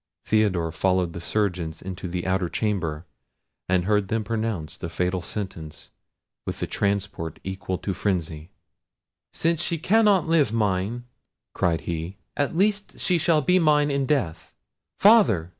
Theodore followed the surgeons into the outer chamber, and heard them pronounce the fatal sentence with a transport equal to frenzy. "Since she cannot live mine," cried he, "at least she shall be mine in death! Father!